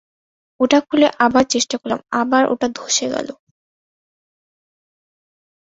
ওটা খুলে, আবার চেষ্টা করলাম, আবার ওটা ধসে গেল।